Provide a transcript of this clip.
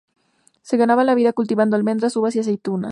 Se ganaban la vida cultivando almendras, uvas y aceitunas.